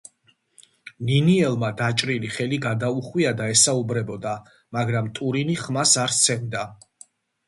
ნინიელმა დაჭრილი ხელი გადაუხვია და ესაუბრებოდა, მაგრამ ტურინი ხმას არ სცემდა.